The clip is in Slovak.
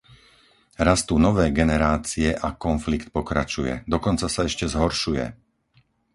Rastú nové generácie a konflikt pokračuje, dokonca sa ešte zhoršuje.